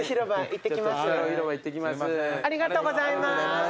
ありがとうございます。